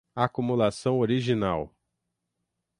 acumulação original